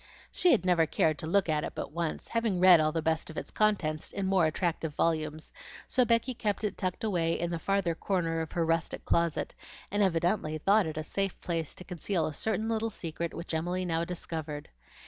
She had never cared to look at it but once, having read all the best of its contents in more attractive volumes, so Becky kept it tucked away in the farther corner of her rustic closet, and evidently thought it a safe place to conceal a certain little secret which Emily now discovered.